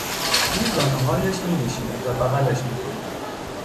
روی زانوهایش مینشیند و بغلش میکند